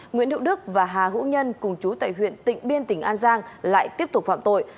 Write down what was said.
nguyễn hữu đức và hà hữu nhân cùng chú tại huyện tịnh biên tỉnh an giang lại tiếp tục phạm tội